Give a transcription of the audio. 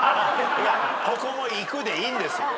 ここも行くでいいんですよ。